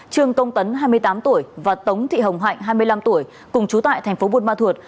trương tông tấn hai mươi tám tuổi và tống thị hồng hạnh hai mươi năm tuổi cùng chú tại tp buôn ma thuột